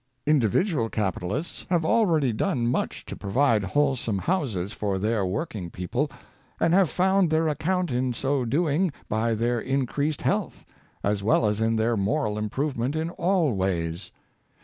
Home Reform. 47 Individual capitalists have already done much to provide wholesome houses for their working people, and have found their account in so doing by their in creased health, as well as in their moral improvement in all ways.